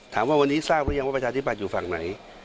ถามว่าวันนี้ทราบหรือยังว่าประชาธิบัตย์อยู่ฝั่งไหน